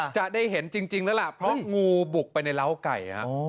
จะได้เห็นจริงแล้วล่ะเพราะงูบุกไปในร้าวไก่